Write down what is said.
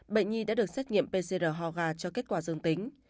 bệnh nhi đã được xét nghiệm pcr ho gà cho kết quả dương tính